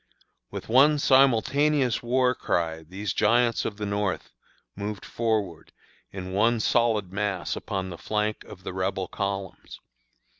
With one simultaneous war cry these giants of the North moved forward in one solid mass upon the flank of the Rebel columns.